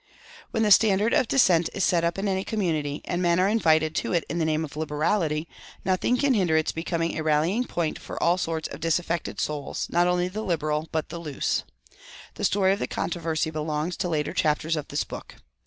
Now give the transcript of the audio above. When the standard of dissent is set up in any community, and men are invited to it in the name of liberality, nothing can hinder its becoming a rallying point for all sorts of disaffected souls, not only the liberal, but the loose. The story of the controversy belongs to later chapters of this book.